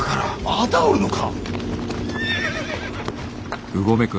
まだおるのか！